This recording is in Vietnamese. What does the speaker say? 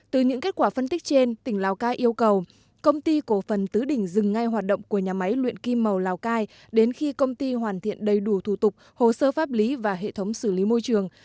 từ những kết quả phân tích trên tỉnh lào cai yêu cầu công ty cổ phần tứ đỉnh dừng ngay hoạt động của nhà máy luyện kim màu lào cai đến khi công ty hoàn thiện đầy đủ thủ tục hồ sơ pháp lý và hệ thống xử lý môi trường